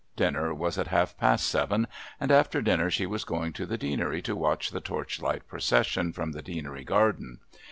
Dinner was at half past seven, and after dinner she was going to the Deanery to watch the Torchlight Procession from the Deanery garden.